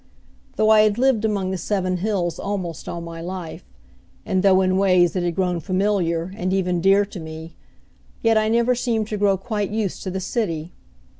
Though I had lived among the seven hills almost all my life; and though in ways it had grown familiar, and even dear to me, yet I never seemed to grow quite used to the city.